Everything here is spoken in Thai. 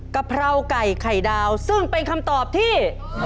กะเพราไก่ไข่ดาวซึ่งเป็นคำตอบที่